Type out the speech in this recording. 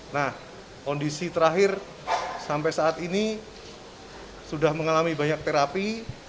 nah kondisi terakhir sampai saat ini sudah mengalami banyak terapi